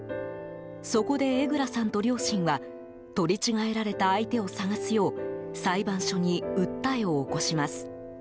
そこで、江蔵さんと両親は取り違えられた相手を捜すよう裁判所に訴えを起こします。